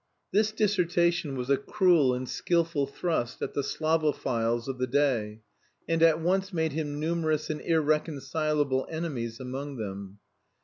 This dissertation was a cruel and skilful thrust at the Slavophils of the day, and at once made him numerous and irreconcilable enemies among them.